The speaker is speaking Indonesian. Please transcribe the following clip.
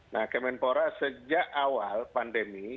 nah kemenpora sejak awal pandemi